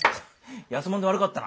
安物で悪かったな。